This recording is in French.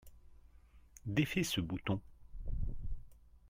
Défais ce bouton.